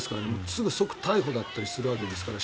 すぐ、即逮捕だったりするわけですから。